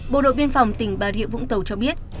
bộ đội biên phòng tỉnh bà rịa vũng tàu cho biết